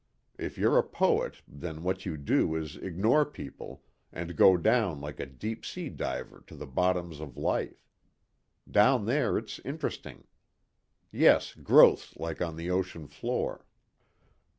If you're a poet then what you do is ignore people and go down like a deep sea diver to the bottoms of life. Down there it's interesting. Yes, growths like on the ocean floor."